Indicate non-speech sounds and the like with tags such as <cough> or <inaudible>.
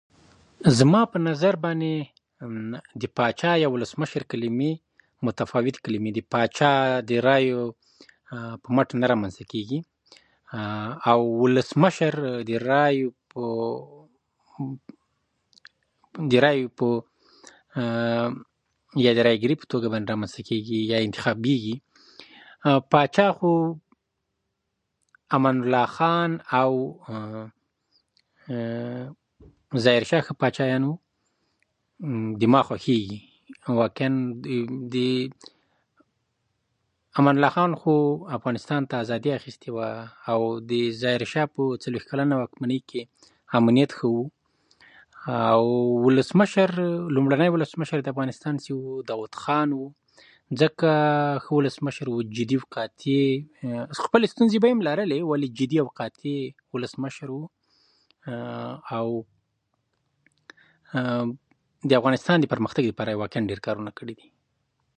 زما په نظر باندې د پاچا او ولسمشر کليمې متفاوتې کليمې دي. پاچا د رایو په مت رامنځته کیږي نه، او ولسمشر د رایو په <hesitation> رایو په، یعنې د رايګيرۍ په توګه رامنځته کېږي يا ټاکل کېږي. پاچا خو امان الله خان او <hesitation> ظاهر شاه ښه پاچاهان وو، ما خوښېږي. واقعا د امان الله خان خو افغانستان ته ازادي اخیستې وه، او د ظاهر شاه په څلویښت کلنه واکمنۍ کې امنیت ښه و. او ولسمشر، لومړنی ولسمشر د افغانستان چې و، داود خان و، ځکه ښه ولسمشر و، جدي او قاطع. خپلې ستونزې به یې هم لرلې، ولې جدي او قاطع ولسمشر و. او <hesitation> د افغانستان د پرمختګ لپاره یې واقعا ډېر کارونه کړي دي.